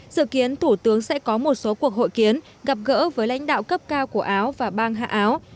dự kiến thủ tướng sẽ có một số cuộc hội kiến gặp gỡ với lãnh đạo cấp cao của áo và bang hạ áo